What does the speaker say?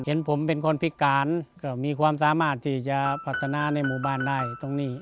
เห็นผมเป็นคนพิการก็มีความสามารถที่จะพัฒนาในหมู่บ้านได้ตรงนี้